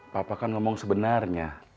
papa kan ngomong sebenarnya